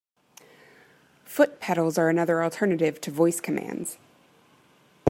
Foot pedals are another alternative to voice commands.